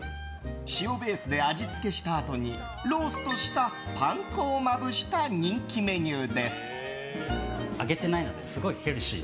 塩ベースで味付けしたあとにローストしたパン粉をまぶした人気メニュー。